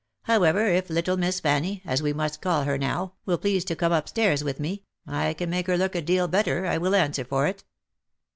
However, if little Miss Fanny, as we must call her now, will please to come up stairs with me, I can make her look a deal better, I will answer for it."